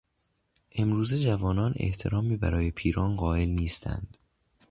امروزه جوانان احترامی برای پیران قائل نیستند.